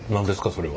それは。